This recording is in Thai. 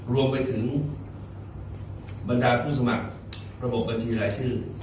รวมไปถึงบรรดาผู้สมัครระบบบัญชีรายชื่อ